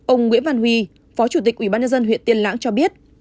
ông nguyễn văn huy phó chủ tịch ủy ban nhân dân huyện tiên lãng cho biết